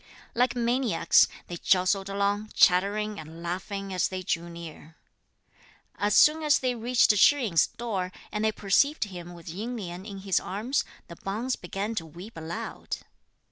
Like maniacs, they jostled along, chattering and laughing as they drew near. As soon as they reached Shih yin's door, and they perceived him with Ying Lien in his arms, the Bonze began to weep aloud.